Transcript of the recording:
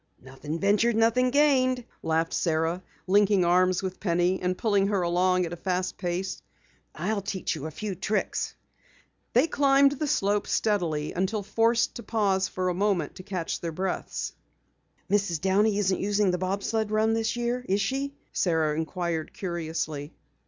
"Nothing ventured, nothing gained," laughed Sara, linking arms with Penny and pulling her along at a fast pace. "I'll teach you a few tricks." They climbed the slope steadily until forced to pause for a moment to catch their breath. "Mrs. Downey isn't using the bob sled run this year, is she?" Sara inquired curiously.